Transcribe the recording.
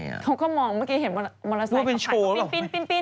เขาก็มองเมื่อกี้เห็นมอเตอร์ไซค์ขับไผ่ว่าเป็นโชว์หรือเป็น